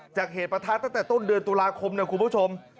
เหตุประทัดตั้งแต่ต้นเดือนตุลาคมนะคุณผู้ชม